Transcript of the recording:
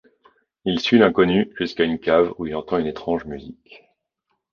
Il suit l'inconnu jusqu'à une cave où il entend une étrange musique.